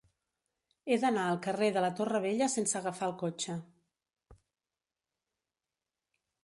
He d'anar al carrer de la Torre Vella sense agafar el cotxe.